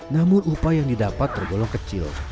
namun upah yang didapat bergolong kecil